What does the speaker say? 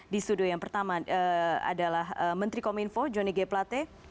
di studio yang pertama adalah menteri kominfo jonny g plate